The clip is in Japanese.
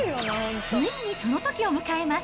ついにそのときを迎えます。